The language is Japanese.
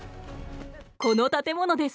この建物です。